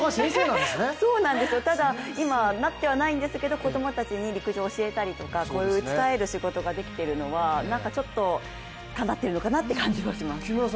ただ、なってはないんですけど子供たちに陸上を教えたりとか、伝える仕事ができているのはなんかちょっと、かなってるのかなって感じはします。